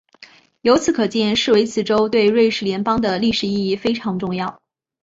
由此可见施维茨州对瑞士邦联的历史意义非常重要。